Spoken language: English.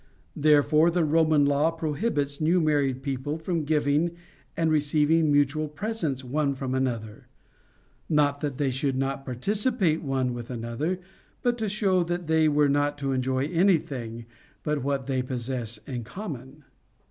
Therefore the Roman law prohibits new married people from giving and receiving mutual presents one from another ; not that they should not participate one with another, but to show that they were not to enjoy any thing but what they possess in common.